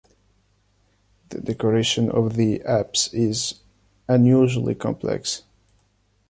The decoration of the apse is unusually complex.